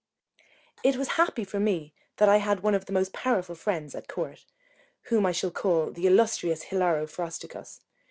It was happy for me that I had one most powerful friend at court, whom I shall call the illustrious Hilaro Frosticos.